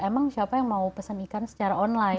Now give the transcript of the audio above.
emang siapa yang mau pesen ikan secara online